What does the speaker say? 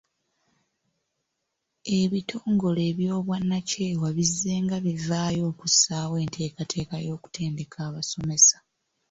Ebitongole eby’obwannakyewa bizzenga bivaayo okussaawo enteekateeka y’okutendeka abasomesa.